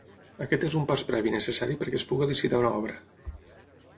Aquest és un pas previ necessari perquè es pugui licitar una obra.